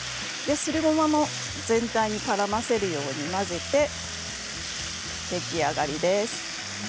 すりごまも全体的にからませるように混ぜて出来上がりです。